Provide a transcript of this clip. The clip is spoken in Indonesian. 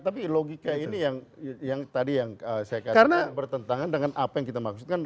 tapi logika ini yang bertentangan dengan apa yang kita maksudkan